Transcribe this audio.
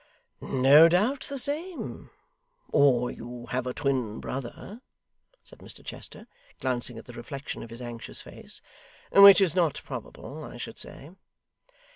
'No doubt the same, or you have a twin brother,' said Mr Chester, glancing at the reflection of his anxious face; 'which is not probable, I should say.